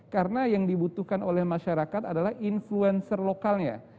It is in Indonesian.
karena yang dibutuhkan oleh masyarakat adalah influencer lokalnya